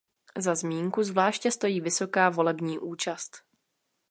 Za zmínku zvláště stojí vysoká volební účast.